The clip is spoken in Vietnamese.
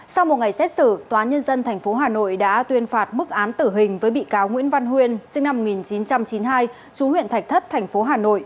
sau một ngày xét xử tòa nhân dân tp hà nội đã tuyên phạt mức án tử hình với bị cáo nguyễn văn huyên sinh năm một nghìn chín trăm chín mươi hai chú huyện thạch thất thành phố hà nội